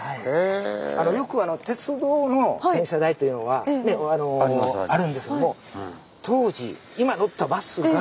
よく鉄道の転車台というのはあるんですけども当時今乗ったバスが。